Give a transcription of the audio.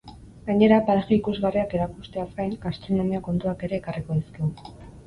Gainera, paraje ikusgarriak erakusteaz gain, gastronomia kontuak ere ekarriko dizkigu.